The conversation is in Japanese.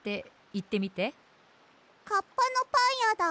カッパのパンやだ。